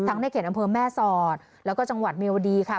ในเขตอำเภอแม่สอดแล้วก็จังหวัดเมียวดีค่ะ